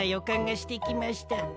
かんがしてきました。